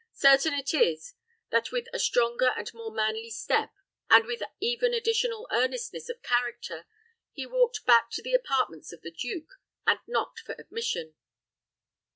Certain it is, that with a stronger and a more manly step, and with even additional earnestness of character, he walked back to the apartments of the duke, and knocked for admission.